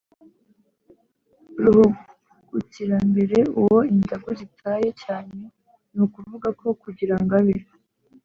ruhugukirambere: uwo indagu zitayeho cyane ni ukuvuga ko kugira ngo abe